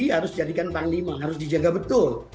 harus jadikan panglima harus dijaga betul